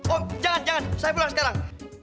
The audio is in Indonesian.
om jangan jangan saya pulang sekarang